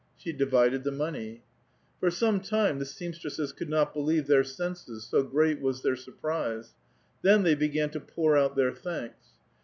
She divided the monev. For some time the seamstresses could not believe their senses, so great was their surprise ; then they began to pour out their thanks.